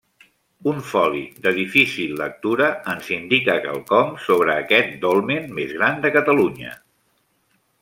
Un foli de difícil lectura ens indica quelcom sobre aquest Dolmen més gran de Catalunya.